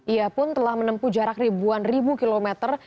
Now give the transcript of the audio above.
ia pun telah menempuh jarak ribuan ribu kilometer